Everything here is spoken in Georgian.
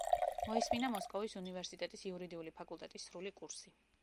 მოისმინა მოსკოვის უნივერსიტეტის იურიდიული ფაკულტეტის სრული კურსი.